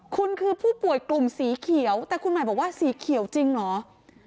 คุณคือผู้ป่วยกลุ่มสีเขียวแต่คุณหมายบอกว่าสีเขียวจริงเหรอ